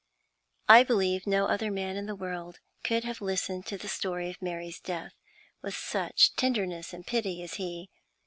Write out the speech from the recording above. I believe no other man in the world could have listened to the story of Mary's death with such tenderness and pity as he.